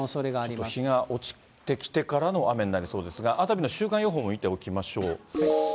ちょっと日が落ちてきてからの雨になりそうですが、熱海の週間予報も見ておきましょう。